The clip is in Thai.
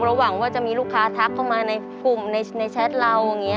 ระหว่างว่าจะมีลูกค้าทักเข้ามาในกลุ่มในแชทเรา